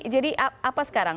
jadi apa sekarang